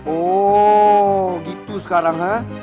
oh gitu sekarang ha